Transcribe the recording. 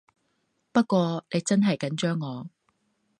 不過你真係緊張我